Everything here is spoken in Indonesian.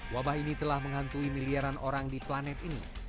wabah ini telah menghantui miliaran orang di planet ini